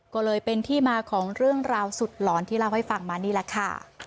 ก็เลยเป็นที่มาของเรื่องราวสุดหลอนที่เล่าให้ฟังมานี่แหละค่ะ